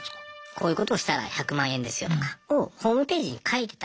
こういうことしたら１００万円ですよとかをホームページに書いてたりとか。